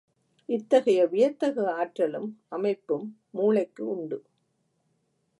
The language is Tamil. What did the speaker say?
இத்தகைய வியத்தகு ஆற்றலும் அமைப்பும் மூளைக்கு உண்டு.